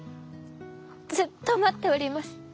ずっと待っております。